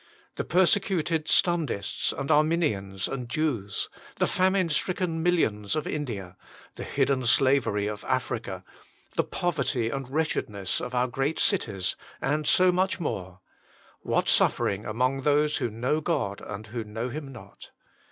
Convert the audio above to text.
The persecuted Stundists and Armenians and Jews, the famine stricken millions of India, the hidden slavery of Africa, the poverty and wretchedness of our great cities and so much more : what suffering among those who know God and who know Him not.